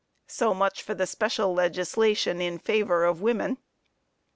So much for the special legislation in favor of women.